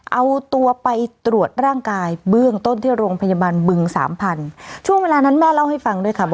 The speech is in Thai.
เอาตัวไปตรวจร่างกายเบื้องต้นที่โรงพยาบาลบึงสามพันธุ์ช่วงเวลานั้นแม่เล่าให้ฟังด้วยค่ะ